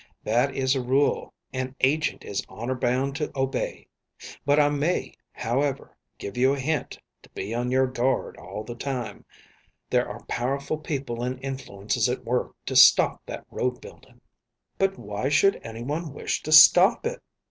That is a rule an agent is honor bound to obey. But I may, however, give you a hint to be on your guard all the time. There are powerful people and influences at work to stop that road building." "But why should anyone wish to stop it?"